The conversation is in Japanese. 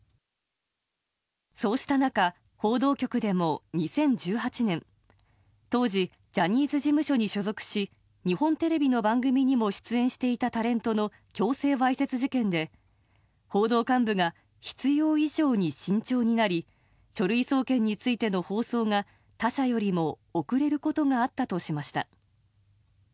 そうした中、報道局でも２０１８年当時、ジャニーズ事務所に所属し日本テレビの番組にも出演していたタレントの強制わいせつ事件で報道幹部が必要以上に慎重になり書類送検についての放送が他社よりも遅れることがあったとしました。